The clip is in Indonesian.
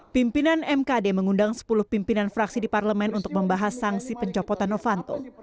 pimpinan mkd mengundang sepuluh pimpinan fraksi di parlemen untuk membahas sanksi pencopotan novanto